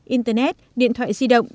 internet điện thoại di động